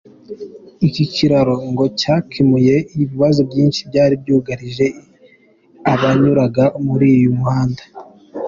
Iki kiraro ngo cyakemuye ibibazo byinshi byari byugarije abanyuraga muri uyu muhanda.